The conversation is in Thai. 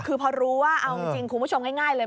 คือพอรู้ว่าเอาจริงคุณผู้ชมง่ายเลย